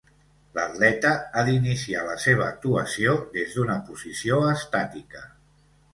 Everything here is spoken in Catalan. L'atleta ha d'iniciar la seva actuació des d'una posició estàtica.